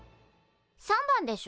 ３番でしょ。